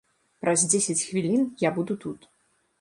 Праз дзесяць хвілін я буду тут.